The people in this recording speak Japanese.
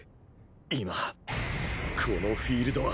今このフィールドは